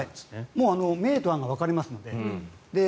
もう明暗が分かれますので。